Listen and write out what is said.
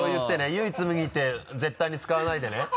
「唯一無二」って絶対に使わないでね。